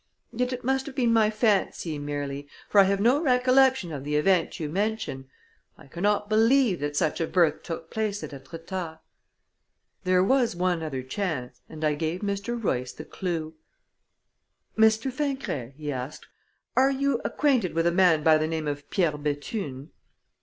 Yet it must have been my fancy merely, for I have no recollection of the event you mention. I cannot believe that such a birth took place at Etretat." There was one other chance, and I gave Mr. Royce the clew. "Monsieur Fingret," he asked, "are you acquainted with a man by the name of Pierre Bethune?"